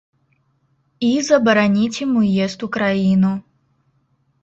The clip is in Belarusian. І забараніць ім уезд у краіну.